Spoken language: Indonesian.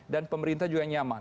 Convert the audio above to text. dan pemerintah juga nyaman